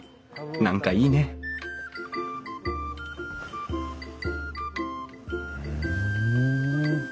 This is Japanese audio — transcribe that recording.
何かいいねふん。